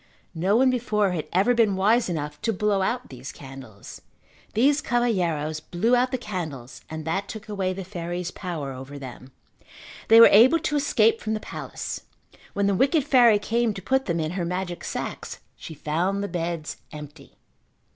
No one before had ever been wise enough to blow out these candles. These cavalheiros blew out the candles and that took away the fairy's power over them. They were able to escape from the palace. When the wicked fairy came to put them in her magic sacks she found the beds empty.